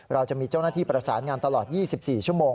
เราจะมีเจ้าหน้าที่ประสานงานตลอด๒๔ชั่วโมง